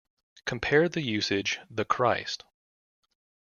Compare the usage "the Christ".